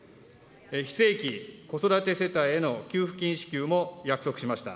非正規、子育て世帯への給付金支給も約束しました。